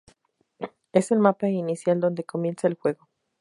Es el mapa inicial donde comienza el juego.